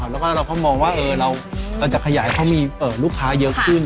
แล้วก็เราก็มองว่าเราจะขยายเขามีลูกค้าเยอะขึ้น